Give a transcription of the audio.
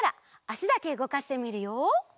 あしだけうごかしてみるよ。